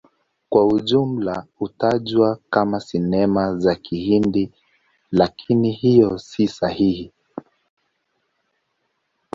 Kwa ujumla hutajwa kama Sinema za Kihindi, lakini hiyo si sahihi.